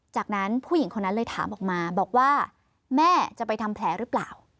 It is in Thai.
จากนั้นผู้หญิงคนนั้นเลยถามออกมาบอกว่าแม่จะไปทำแผลหรือเปล่า